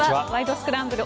スクランブル」